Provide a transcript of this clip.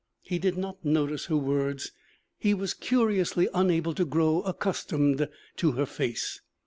He did not notice her words; he was curiously unable to grow accustomed to her face.